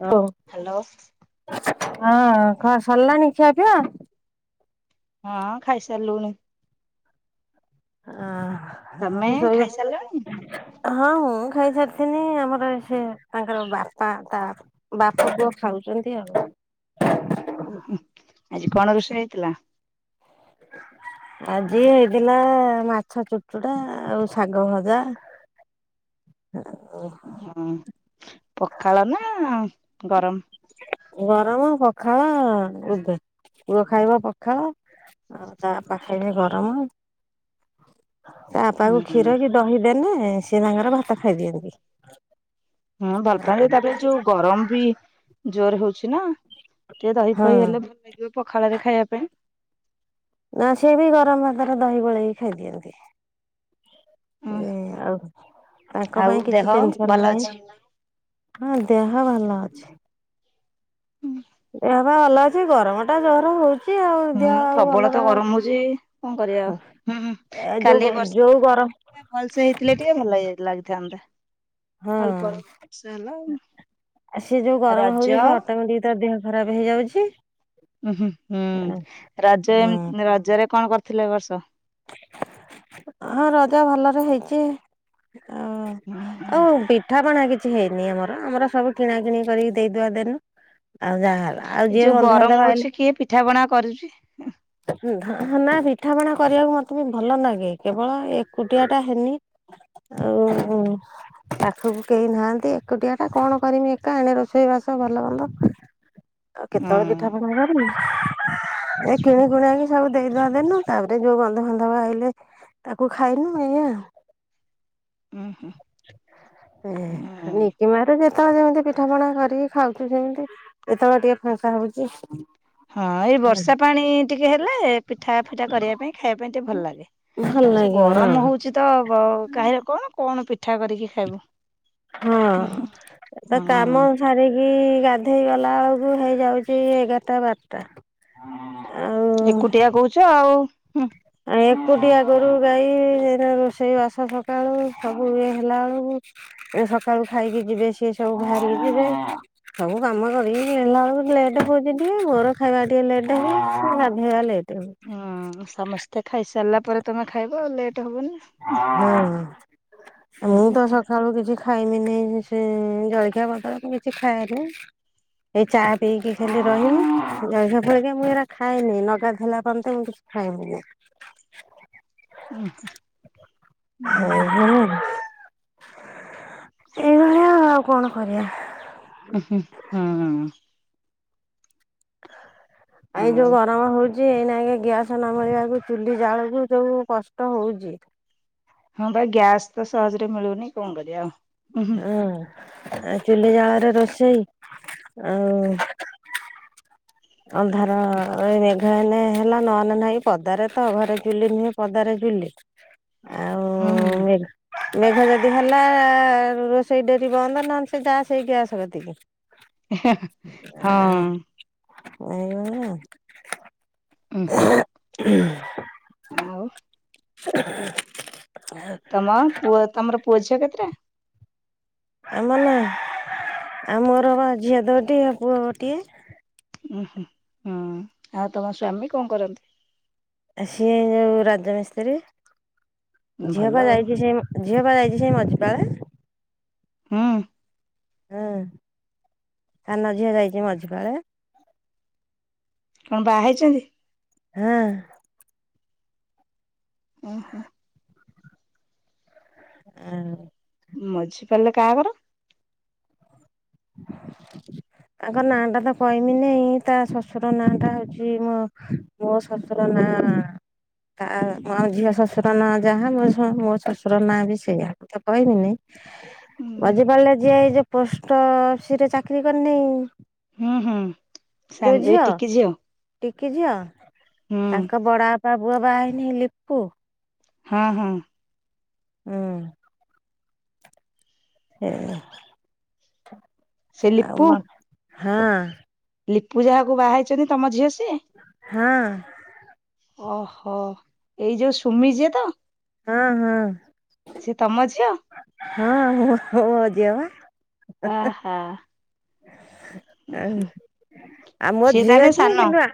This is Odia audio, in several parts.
[unintelligible] ହ୍ୟାଲୋ ହଁ କଣ ସରିଲାଣି ଖିଆପିଆ? ହଁ ଖାଇସାରିଲୁଣି। ତମେ ହଁଆ ଖାଇସାରିଲଣି? ଶୋଇବା। ହଁ ମୁଁ ଖାଇସାରିଥିନି ଆମର ସେ ତାଙ୍କର ବାପା ତା ବାପ, ପୁଅ ଖାଉଛନ୍ତି ଆଉ। ଉ ହୁଁ ଆଜି କଣ ରୋଷେଇ ହେଇଥିଲା? [inaudible] ଆଜି ହେଇଥିଲା ମାଛ ଚୁଡ଼ଚୁଟା ଆଉ ଶାଗ ଭଜା। ହଁ। ହଁ ପଖାଳ ନା ଗରମ? ଗରମ ପଖାଳ ବୋଧେ ପୁଅ ଖାଇବ ପଖାଳ ଆଉ ତା ବାପା ଖାଇବେ ଗରମ। ତା ହୁଁ ବାପାକୁ କ୍ଷୀର ହୁଁ କି ଦହି ଦେଲେ ସିଏ ତାଙ୍କର ଭାତ ଖାଇଦିଅନ୍ତି। ହଁ ଭଲ ପାଆନ୍ତି ତାପରେ ଯୋଉ ଗରମ ବି ଜୋର ହଉଛି ନା? ଟିକେ ଦହି ହଁ ପହି ହେଲେ ଭଲ ଲାଗିବ ପଖାଳରେ ଖାଇବା ପାଇଁ। ନା ସିଏ ବି ଗରମ ଭାତରେ ଦହି ଗୋଳେଇକି ଖାଇଦିଅନ୍ତି। ଉଁ ଏଁ ଆଉ ତାଙ୍କ ଆଉ ପାଇଁ ଦେହ କିଛି ଭଲ ଟେନସନ ନାହିଁ। ଅଛି? ହଁ ଦେହ ଭଲ ଅଛି। ହୁଁ। ଏହା ବା ଭଲ ଅଛି ଗରମ ଟା ଜର ହଉଛି। ଆଉ ହୁଁ ଦେହ ଆଉ ଭଲ ପ୍ରବଳ ତ ରହିବ ଗରମ ହଉଛି କଣ କରିବା ଆଉ ହୁଁ ହୁଁ ଏ ଯୋଉ କାଲି ଯୋଉ ଗରମ ବର୍ଷା ଭଲସେ ହେଇଥିଲେ ଟିକେ ଭଲବି ଲାଗିଥାନ୍ତା। ହଁ ଅଳ୍ପ ବର୍ଷା ହେଲା ଆଉ ସେ ଯୋଉ ଗରମ ହଉଛି ସେ ରଜ ଅଟମେଟିକ ତ ଦେହ ଖରାପ ହେଇଯାଉଛି। ଉ ହୁଁ ହୁଁ ରଜ ଏମ ରଜରେ କଣ କରିଥିଲେ ଏ ବର୍ଷ? ହଁ ରଜ ଭଲରେ ହେଇଛି। ଆଉ ହୁଁ ଆଉ ବି ପିଠା, ପଣା କିଛି ହେଇନି ଆମର ଆମର ସବୁ କିଣା କିିଣି କରିକି ଦେଇଦବା ଦେନୁ ଆଉ ଯାହା ହେଲା ଆଉ ଏ ଯିଏ ଯୋଉ ବନ୍ଧୁବାନ୍ଧବ ଗରମ ଆଇଲେ ହଉଛି କିଏ ପିଠା, ପଣା କରୁଛି। ଉଁ ନାଁ ପିଠା ପଣା କରିବାକୁ ମତେ ବି ଭଲ ଲାଗେ। କେବଳ ଏକୁଟିଆଟା ହେନି, ଆଉ ପାଖକୁ କେହିନାହାଁନ୍ତି ଏକୁଟିଆଟା କଣ କରିମି ଏକା, ଏଣେ ରୋଷେଇ ବାସ ଭଲ ମନ୍ଦ ହ [inaudible] ଆଉ କେତେବେଳେ ହୁଁ। ପିଠା ପଣା କରିବି, ଏ କିଣି କୁଣା କି ସବୁ ଦେଇଦବା ଦେନୁ ତାପରେ ଯୋଉ ବନ୍ଧୁବାନ୍ଧବ ଆଇଲେ, ତାକୁ ଖାଇନୁ ଏଇଆ ଆଉ। ଉଁ ହୁଁ ଏ ହୁଁ। ନିିକିମାରେ ଯେତେ ଯେତେବେଳେ ଯେମିତି ପିଠା ପଣା କରିକି ଖାଉଛୁ ସେମତି, ଯେତେବେଳେ ଟିକେ ଫାଙ୍କା ହଉଛି। ହଁ ଏଇ ବର୍ଷା ପାଣି ଟିକେ ହେଲେ, ପିଠା ଫିଠା କରିବା ପାଇଁ ଖାଇବା ପାଇଁ ଟିକେ ଭଲ ଲାଗେ। ଭଲ ନାଗିବ ହଁ। ସିଏ ତ ବ କାହିଁରେ କଣ, କଣ ପିଠା କରିକି ଖାଇବୁ? ହଁ। ଉଁ ହୁଁ ତା କାମ ହଁ ସାରିକି ଗାଧେଇ ଗଲାବେଳକୁ ହେଇଯାଉଛି ଏଗାରଟା, ବାରଟା। ଆଉ ଏକୁଟିଆ କହୁଛ ଆଉ। ଆଉ ଏକୁଟିଆ ଗୋରୁ, ଗାଈ, ଏଇରା ରୋଷେଇବାସ ସକାଳୁ ସବୁ ଇଏ ହେଲାବେଳକୁ ଇଏ ସକାଳୁକୁ ଖାଇକି ଯିବେ, ସିଏ ସବୁ ବାହାରିକି ଯିବେ ସବୁ କାମ କରିକି ନେଲା ବେଳକୁ ଲେଟ୍ ହଉଛି ଟିକେ, ମୋର ଖାଇବା ଟିକେ ଲେଟ୍ ହୁଏ ଆ ହେଇଆ ଲେଟ୍ ହୁଏ। ହଁ ସମସ୍ତେ ଖାଇସାରିଲା ପରେ ତୁମେ ଖାଇବ ଆଉ ଲେଟ୍ ହବନି। ହୁଁ। ଉଁ ମୁଁ ହୁଁ ତ ସଖାଳୁ କିଛି ଖାଇନିନେଇଁ ସେ ଜଳଖିଆ ପତର ମୁଁ କିଛି ଖାଏନେଇ ଏଇ ଚା ପିଇକି ଖାଲି ରହିମି, ଜଳଖିଆ ଫଳଖିଆ ମୁଁ ଏଇରା ଖାଏନି, ନ ଗାଧେଇଲା ପର୍ଯ୍ୟନ୍ତ ମୁଁ କିଛି ଖାଏନି। ଉମ୍ ହୁ। [inaudible] ସେଇଭଳିଆ ଆଉ କଣ କରିବା। ଉ ହୁଁ ହୁଁ। ଏଇଁ ଯୋଉ ଆଉ ଗରମ ହଉଛି ଛି ଏଇନାକେ ଗ୍ୟାସ ନ ଭରିବାକୁ ଚୁଲି ଜାଳକୁ ଯୋଉ କଷ୍ଟ ହଉଚି ହଁ ବା ଗ୍ୟାସ ତ ସହଜରେ ମିଳୁନି କଣ କରିବା ଆଉ। ଉ ହୁଁ। ଆଁ, ଏ ଚୁଲି ଜାଳର ରୋଷେଇ ଆଉ ଅନ୍ଧାର ଏଇ ମେଘ ମେଘ ହେନେ ହେଲା ନହଲେ ନାଇଁ, ପଦାରେ ତ ଘରେ ଚୁଲି ନୁହେଁ ପଦାରେ ଚୁଲି ଆଉ-ଉ ହୁଁ ମେଘ ମେଘ ଯଦି ହେଲା ରୋଷେଇ ଡେରି ବନ୍ଦ, ନହେଲେ ସେ ଯା ସେଇ ଗ୍ୟାସ୍ କତିକି ହେ ହେ, ହଁ। ଏଇଭଳିଆ ଆଉ। ଉଁ ହୁଁ। ଆଉ ତମ ପୁଅ ତମର ପୁଅ ଝିଅ କେତେଟା? ଆମର ନା, ଆ ମୋର ବା ଝିଅ ଦୋଟି ଆଉ ପୁଅ ଗୋଟିଏ। ଉହୁଁ ହୁଁ। ଆଉ ତମ ସ୍ଵାମୀ କଣ କରନ୍ତି? ସିଏ ଯୋଉ ରାଜମିସ୍ତ୍ରୀ। ଝିଅ ଭଲ ପା ଆଉ ଯାଇଛି ସେଇ ଝିଅ ପା ଯାଇଛି ସେଇ ମଝିପାଳରେ। ହୁଁ। ଆଁ, ସାନ ଝିଅ ଯାଇଛି ମଝିପାଳେ। କଣ ବାହା ହେଇଛନ୍ତି? ହଁ। ଓହୋ। ଆଁ ମଝିପାଲରେ କାଆ ଘର। [inaudible] ଆଙ୍କ ନାଁ ଟା ତ କହମିନେଇ ତା ଶଶୁର ନାଁ ଟା ହୋଉଚି ମୋ ମୋ ଶଶୁର ନାଁ। କା ମୋ ଆମ ଝିଅ ଶଶୁର ନାଁ ଯାହା ମୋ ଶ ମୋ ଶଶୁର ନାଁ ବି ସେଇୟା ମୁଁ ତ କହିବିିନି। ମଝିପାଳରେ ଯିଏ ଏଇ ଯୋଉ ପୋଷ୍ଟ୍ ଅଫିସରେ ଚାକିରି କରିନେଇ। ହୁଁ ହୁଁ ସାନ ଏ ଟିକି ଝିଅ। ଟିକି ଝିଅ ହୁଁ ତାଙ୍କ ବଡ ଆପା ପୁଅ ବାହା ହେଇନେଇ ଲିପୁ। ହଁ ହଁ। ଉଁ। ସେ ସେଇଆ ଲିପୁ ଆଉ ମ୍ ହଁ। ଲିପୁ ଯାହାକୁ ବାହାହେଇଛନ୍ତି ତମ ଝିଅ ସିଏ। ହଁ। ଅହଁ ଏଇ ଯୋଉ ସୁମି ଯିଏ ତ। ହଁ ହଁ। ସିଏ ତମ ଝିଅ? ହଁ ହଁ ମୋ ଝିଅ ପା। [unintelligible] ଆଃ ଆଉ ମୋ ସିଏ ଝିଅ ତାହେଲେ ଯେ ସାନ? କିନ୍ତୁ ଆ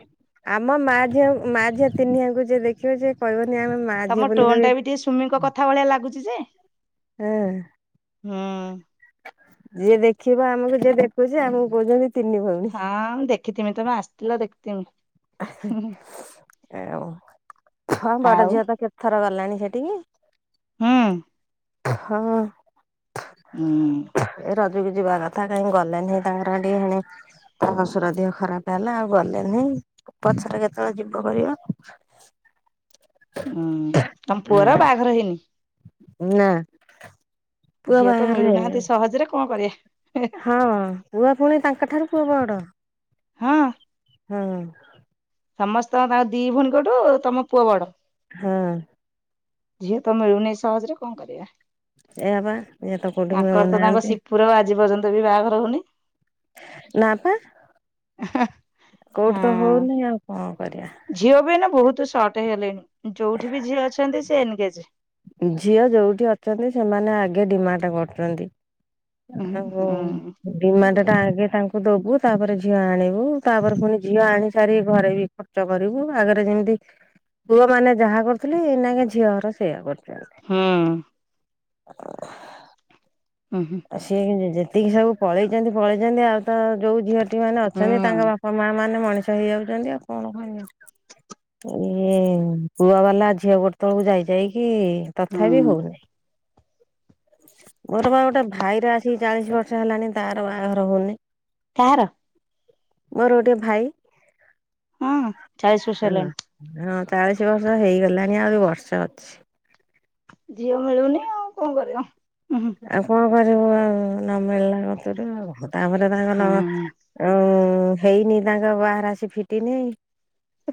ଆମ ମା ଝିଅ ମା ଝିଅ ତିନିହାଙ୍କୁ ଯିଏ ଦେଖିବ ସିଏ କହିବନି ଆମେ ମା ଝିଅ ତମ ବୋଲି ଟୋନ୍ କହିବେ ଟା ବି ଟିକେ ସୁମିଙ୍କ କଥା ଭଳିଆ ଲାଗୁଛି ଯେ ହଁ ହୁଁ ଯିଏ ଦେଖିବ ଆମୁକୁ ଯିଏ ଦେଖୁଛି ଆମକୁ କହୁଛନ୍ତି ତିନି ଭଉଣୀ ହଁ ମୁଁ ଦେଖିଥିମି ତମେ ଆସିଥିଲ ଦେଖିଥିମି। ହୁଁ ହୁଁ [unintelligible] ହଁ ବଡ ଆଉ ଝିଅ ତ କେତେ ଥର ଗଲାଣି ସେଠିକି। ହୁଁ। ହଁ। ହୁଁ। ଏ ରଜକୁ ଯିବା କଥା କାହିଁ ଗଲେନି ତାଙ୍କର ହେଟି ହେଣି ତା ଶଶୁର ଦିହ ଖରାପ ହେଲା ଆଉ ଗଲେନି ପଛରେ କେତୋବୋଳେ ଯିବ କରିବ [inaudible] ହୁଁ ତମ ପୁଅର ବାହାଘର ହେଇନି? ନା। ପୁଅ ଝିଅ ତ ବାହାଘର ହେଇନି ମିଳୁନାହାନ୍ତି ଆଉ। ସହଜରେ କଁ କରିବା। ହଁ ପୁଅ ଫୁଣି ତାଙ୍କଠାରୁ ପୁଅ ବଡ଼। ହଁ। ହୁଁ। ସମସ୍ତ ତାଙ୍କ ଦି ଭୋଉଣୀଙ୍କଠୁ ତମ ପୁଅ ବଡ? ହଁ। ଝିଅ ତ ମିଳୁନି ସହଜରେ କଁ କରିବା। ସେୟା ପା ଝିଅ ତ କୋଉଠି ମିଳୁନାହାନ୍ତି? ପୁରବ ଆଜି ପର୍ଯ୍ୟନ୍ତ ବି ବାହାଘର ହୋଉନି। ନା ପା। [unintelligible] କୋଉଠି ତ ହଁ ହୋଉନେଇ ଆଉ କଁ କରିବା। ଝିଅ ବି ଏଇନା ବୋହୁତୁ ସର୍ଟ ହେଇଗଲେଣି ଯୋଉଠି ବି ଝିଅ ଅଛନ୍ତି ସିଏ ଏନଙ୍ଗେଜ୍। ଝିଅ ଯୋଉଠି ଅଛନ୍ତି ସେମାନେ ଆଗେ ଡିମାଣ୍ଟ କରୁଛନ୍ତି। ହୁଁ ହୁଁ [unintelligible] କଣ ଡିମାଣ୍ଟ ଟା କରିବା। ଆଗେ ତା ଙ୍କୁ ଦୋବୁ ତାପରେ ଝିଅ ଆଣିବୁ ତାପରେ ଫୁଣି ଝିଅ ଆଣି ସାରି ଘରେ ବି ଖର୍ଚ୍ଚ କରିବୁ ଆଗରେ ଯେମିତି ପୁଅ ମାନେ ଯାହା କରୁଥୁଲେ ଏଇନାକେ ଝିଅ ଘର ସେୟା କରୁ ହୁଁ ଉଁ [unintelligible] ଉଁ ହୁଁ ସିଏ ଯେତିକି ସବୁ ପଳେଇଛନ୍ତି ପଳେଇଛନ୍ତି ଆଉ ତ ଯୋଉ ଝିଅଟି ମାନେ ଅଛନ୍ତି ହୁଁ ତାଙ୍କ ବା ହଉ ମା ମାନେ ମଣିଷ ହେଇଯାଉଛନ୍ତି ଆଉ କଣ କରିବ। ଇଏ ପୁଅ ବାଲା ଝିଅ ଗୋଡ ତଳକୁ ଯାଇ ଯାଇକି ତଥାପି ହୁଁ ହଉନହିଁ ମୋର ବା ଗୋଟେ ଭାଇର ଆସିକି ଚାଳିଶ ବର୍ଷ ହେଲାଣି ତାର ବାହାଘର ହଉନି। କାହାର? ମୋର ଗୋଟିଏ ଭାଇ ହଁ ଚାଳିଶ ବର୍ଷ ହଁ। ହେଲାଣି ହଁ ଚାଳିଶ ବର୍ଷ ହେଇଗଲାଣି ଆହୁରି ବର୍ଷେ ଅଛି। ଝିଅ ମିଳୁନି ଆଉ କଣ କରିବା--ଊଂହୁଁ ଆଉ କଣ କରିବୁ ଆଉ ନମିଳିଲା କତିରୁ ଆଉ ତାପରେ ତାଙ୍କ ହୁଁ ନ ଓ ହେଇନି ତାଙ୍କ ବାହା ରାଶି ଫିଟିନି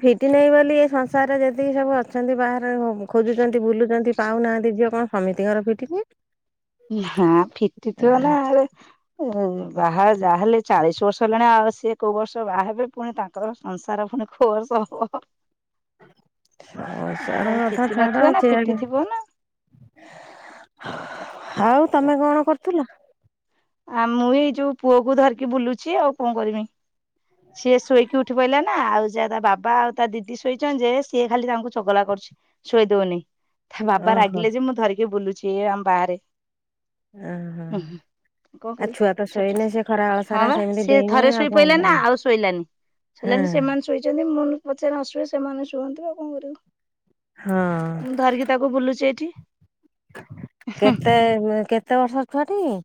ଫିଟି ନାହିଁ ବୋଲି ଏ ସଂସାରରେ ଯତିକି ସବୁ ଅଛନ୍ତି ବାହାରେ ଖୋଜୁଛନ୍ତି ବୁଲୁଛନ୍ତି ପାଉନାହାନ୍ତି ଝିଅ କଣ ସମିତିଙ୍କର ଫିଟିିନି? ନା ହା ଫିଟିଥିବ ଆଉ ହଉ ବାହା ଯାହାହେଲେ ଚାଳିଶ ବର୍ଷ ହେଲାଣି ଆଉ ସିଏ କୋଉ ବର୍ଷ ବାହା ହେବେ ପୁଣି ତା ତ ସଂସାର ପୁଣି କୁଆଡୁକୁ ହବ। ଅ ସେ ଆଉ କଥା ଫିଟି ନଥିବ ନା ଛାଡ ଫିଟିଥିବ ନା ଆଉ ପୁରା। ତମେ କଣ କରୁଥିଲ? ଆ ମୁଁ ଏଇ ଯୋଉ ପୁଅ କ ଧରିକି ବୁଲୁଛି ଆଉ କଣ କରମି ସିଏ ଶୋଇକି ଉଠି ପଇିଲା ନା ଆଉ ଯା ତା ବାବା ଆଉ ତା ଦିଦି ଶୋଇଛ ଯେ ସିଏ ଖାଲି ତାଙ୍କୁ ଚଗଲା କରୁଛି ଶୋଇ ଦଉନି ତା ବାବା ଓହୋ ରାଗିଲେ ଯେ ମୁଁ ଧରିକି ବୁଲୁଛି ଆମ ବାହାରେ ଓଁ ହ କଣ କରିବି ଛୋଟ ହଁ ସାରା ବା ସେମିତି ସିଏ ଡେଇଁବେ ଥରେ ଆଉ ଶୋଇ କଣ ପଇଲେ ନା କରିବେ। ଆଉ ଶୋଇ ହଁ ଶୋଇଲାନି ସେମାନେ ଶୋଇଛନ୍ତି ମୁଁ ପପଛେ ନଶୁଏ ସେମାନେ ଶୁଅନ୍ତି ଆଉ କଣ ହଁ କରିବୁ ମୁଁ ଧରିକି ତାକୁ ବୁଲୁଛି ଏଇଠି କେତେ କେତେ ବର୍ଷର ଛୁଆଟି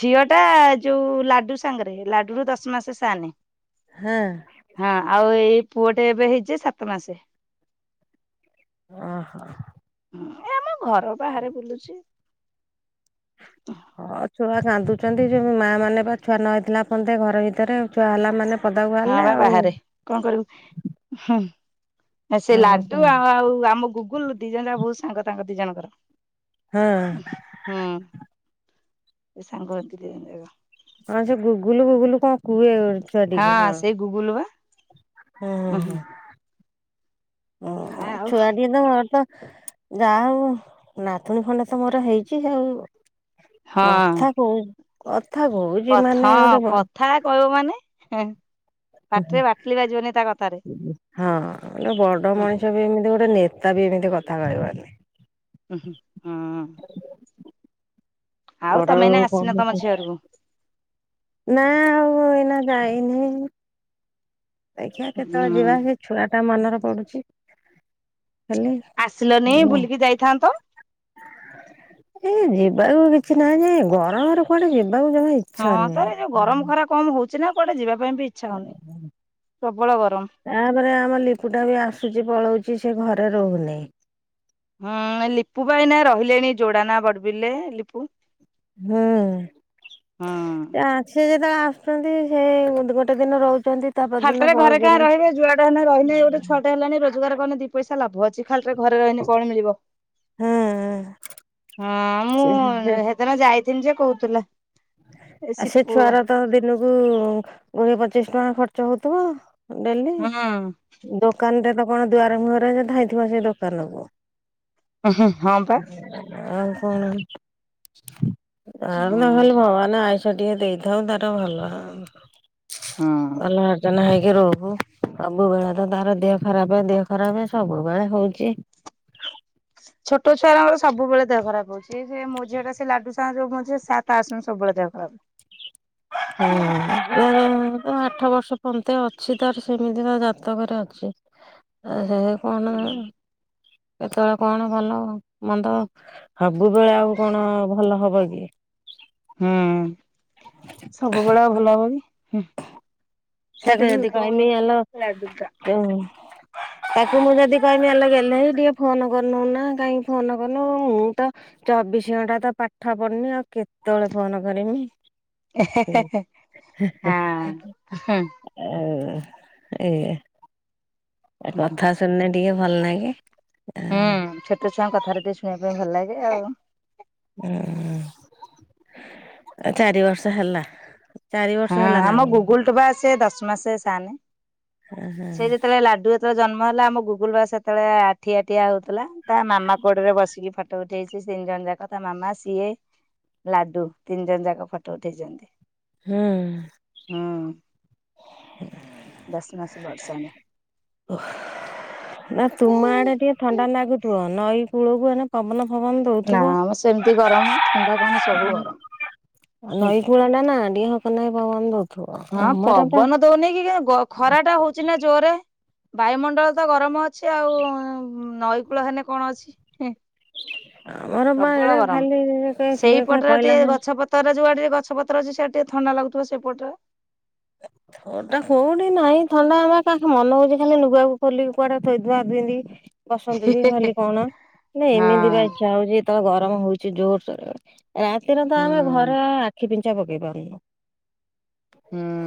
ଝିଅ ଟା ଯୋଉ ଲାଡୁ ସାଙ୍ଗରେ ଲାଡୁ ରୁ ଦଶ ମାସ ସାନେ ହଁ ହଁ ଆଉ ଏଇ ପୁଅଟେ ଏବେ ହେଇଛି ସାତ ମାସେ ଓହୋ ଏ ଆମ ଘର ବାହାରେ ବୁଲୁଛି ତ ହଁ ଛୁଆ କାନ୍ଦୁଛନ୍ତି ଯୋ ମା ମାନେ ବା ଛୁଆ ନ ହେଇଥିଲା ଫନ୍ତେ ଘର ଭିତରେ ଛୁଆ ହେଲା ମାନେ ପଦାକୁ ହଁ ବାହାରିଲେ ବା ଆଉ ବାହାରେ କଣ କରିବୁ ହୁ ସେ ଆଉ କଣ ଲାଡୁ ଆ ଆଉ ଆମ ଗୁଗୁଲ ଦି ଜଣ ଯା ବହୁତ ସାଙ୍ଗ ସାଙ୍ଗ ଦି ଜଣଙ୍କର ହୁଁ ହୁଁ ଏ ସାଙ୍ଗ ହନ୍ତି ଆଁ ସେ ଗୁଗୁଲ ଗୁଗୁଲ କଣ କୁହେ ଠିକ ହଁ ସେଇ ଗୁଗୁଲୁ ବା। ହଁ ହଁ ହଁ ଆଉ ଛୁଆଟିଏ ଯା ହଉ ନଥୁଣୀ ଖଣ୍ଡେ ତ ମୋର ହେଇଛି ଆଉ ହଁ କଥା କହୁ କଥା କହୁଛି କଥା ମାନେ ହଁ ଗୋଟେ କଥା କହିବ ମାନେ ପାଟିରେ ବାଟୁଳି ବାଜିବନି ତା କଥାରେ ହଁ ଗୋଟେ ବଡ ହୁଁ ମଣିଷ ବି ଏମିତି ଗୋଟେ ନେତା ବି ଏମିତି କଥା କହିବନି ହୁଁ ଆଉ ଘର ତମେ ଏଇନା ଆସିନ କଣ ତମ ଝିଅ ଘରକୁ? ନା ଆଉ ଏଇନା ଯାଇନି ଦେଖିବା କେତେବେଳେ ଯିବା ହୁଁ ସେ ଛୁଆଟା ମନରେ ପଡୁଛି ଖାଲି। ଆସିଲନି ବୁଲିକି ଯାଇଥାନ୍ତ। ଏ ଯିବାକୁ କିଛି ନାହିଁ ଗରାମରେ କୁଆଡେ ଯିବାକୁ ଜମା ଇଛା ହଁ ତାର ଯୋଉ ଗରମ ଖରା କମ ହଉଛି ନା କୁଆଡେ ଯିବା ପାଇଁ ବି ଇଚ୍ଛା ହୁଁ ହଉନି ହୁଁ। ପ୍ରବଳ ଗରମ। ତାପରେ ଆମ ଲିପୁଟା ବି ଆସୁଛି ପଳଉଛି ସେ ଘରେ ରହୁନାହିଁ। ହ ଲିପୁ ପା ଏଇନା ରହିଲେଣି ଯୋଡା ନା ବଡ଼ବିଲରେ ଲିପୁ। ହୁଁ ହୁଁ। ସେ ଯେତେବେଳେ ଆସୁଛନ୍ତି ସେ ଗୋଟେ ଦିନ ରହୁଛନ୍ତି। ତା ପରଦିନ ଖାଲିଟରେ ଘରେ କାଇଁ ପଳଉଛନ୍ତି। ରହିବେ ଯୁଆଡେ ହେଲେ ରହିଲେ ଗୋଟେ ଛଆଟା ହେଲାଣି ର ରୋଜଗାର କଲେ ଦି ପଇସା ଲାଭ ଅଛି ଖାଲିଟାରେ ଘରେ ରହିଲି କଣ ମିଳିବ? ହଁ। ଆ ହୁଁ ଦିନ ଯାଇଥିଲି ଯେ କହୁଥିଲା। ଏ ଆଉ ସେ ସିପୁ ଛୁଆର ତ ଦିନକୁ କୋଡିଏ ପଚିଶ ଟଙ୍କା ଖର୍ଚ୍ଚ ହଉଥିବ। ଡେଲି ହୁଁ। ଦୋକାନରେ ତ କଣ ଦୁଆର ମୁହରେ ଧାଇଥିବ ସେଇ ଦୋକାନକୁ। ହଁ ପା ହଁ ଆ କଣ ଆ ନହଲେ? ମାନେ ଆଇଷ ଟିକେ ଦେଇଥାଉ ତାର ଭଲ ଅଲ ଆର୍ ଜନ ହଗ ରୁ [unintelligible] ସବୁବେଳେ ତ ତାର ଦେହ ଖରାପ ଦେହ ଖରାପ ସବୁବେଳେ ହଉଛି। ଛୋଟ ଛୁଆଙ୍କର ସବୁଳେ ଦେହ ଖରାପ ହଉଛି। ସେ ମଝି ଟା ସେ ଲାଡୁ ସାଙ୍ଗ ଯୋଝ ସାତ ଆସୁ ସବୁବେଳେ ଦେହ ଖରାପ। ହୁଁ। ଆଠ ବର୍ଷ ପର୍ନ୍ତ ଅଛି ତାର ସେମିତି ତ ଜାତକରେ ଅଛି। ସେ କଣ କେତେବେଳେ କଣ ଭଲ ମନ୍ଦ? ସବୁବେଳେ ଆଉ କଣ ଭଲ ହବ କି? ହୁଁ ସବୁବେଳେ ଭଲ ହବ କିଁ। ତାକୁ ଯଦି କହମି ଆଲ ଲାଡୁ ଟା ତାକୁ ମୁଁ ଯଦି କହିବି ହେଲେ ଗଲେ ଟିକେ ଫୋନ କରିନୁ ନା କାହିଁକି ଫୋନ କରିନୁ ମୁଁ ତ ଚବିଶ ଘଣ୍ଟା ତ ପାଠ ପଢୁନି ଆଉ କେ ତେଳେ ଫୋନ କରିମି। ହଁ। ହ ଏ। ହୁଁ କଥା ଶୁଣିଲେ ଟିକେ ଭଲ ଲାଗେ। ହୁଁ ଆଉ ଛୋଟ ଛୁଆଙ୍କ କଥାରେ ଟିକେ ଶୁଣିବା ପାଇଁ ଭଲ ଲାଗେ ଆଉ। ହୁଁ ଚାରି ବର୍ଷ ହେଲା। ଚାରି ବର୍ଷ ହଁ ହେଲା ନା ଆମ କଣ ଗୁଗୁଲ ଟୋବା ସେ ଦଶ ମାସ ସାନେ ହୁଁ। ସେ ଯେତେବେଳେ ଲାଡୁ ଜନ୍ମ ହେଲା ଆମ ଗୁଗୁଲ ବା ସେତେବେଳେ ଆଠିଆଠିଆ ହଉଥିଲା ତା ନାମା କୋଡ ରେ ବସିକି ଫଟ ଫଟୋ ଉଠେଇଛି ତିନି ଜଣ ଯାକ ତା ମାମା ସିଏ ଲାଡୁ ତିନି ଜଣ ଯାକ ଫଟୋ ଉଠେଇଛନ୍ତି। ହଁ। ହୁଁ ଦଶ ମାସ ବର୍ଷା ନ ଓୁହ [inaudible] ନା ତୁମ ଆଡେ ଟିକେ ଥଣ୍ଡା ଲାଗୁଥିବ ନଈ କୂଳକୁ ପବନ ଫବନ ନା ଦଉଥିବ। ଆମର ସେମିତି ଗରମ ଥଣ୍ଡା କଣ। ସବୁ ଗରମ। ନଈ କୂଳା ଟା ନା ଟିକେ ହକ ନାହିଁ ପବନ ବ ହଁ ପବନ ଦଉନି କି ଖରା ଟା ହଉଛିି ନା ଜୋରେ ବାୟୁମଣ୍ଡଳ ତ ଗରମ ଅ ଅଛି ଆଉ ନଈକୂଳ ହେଲେ କଣ ଅଛି। ଆମର ମା ପ୍ରବଳ ଏଡେ ଗରମ ଖାଲି କିଏ କ କହିଲା ନା। ତର ଯୋଉଆଡରେ ଗଛ ପତ ଅଛି ସୋ ଟିକେ ଥଣ୍ଡା ଲାଗୁଥ ସେପଟରେ ହ [unintelligible] ଓଟା କୋଉଠୁ ନାହିଁ ଥଣ୍ଡା ଆ କା ମନେ ହଉଛି ଖାଲି ନୁଗା କୁ ଖୋଲି କୁଆଡେ ଥୋଇଦବା ପିନ୍ଦିକି ବସନ୍ତୁ କି ଖାଲି କଣ ନା ହଁ ଏମିତି ବା ଇଚ୍ଛା ହଉଛି ଯେତେବେଳେ ଗରମ ହଉଛି ଜୋରସୋରରେ। ରାତିରେ ତ ହୁଁ ଆମେ ଘରେ ଆଖି ପିଞ୍ଚା ପକେଇ ପାରୁନୁ। ହୁଁ।